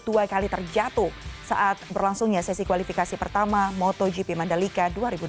dua kali terjatuh saat berlangsungnya sesi kualifikasi pertama motogp mandalika dua ribu dua puluh